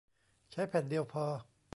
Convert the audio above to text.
ใช้แผ่นเดียวพอ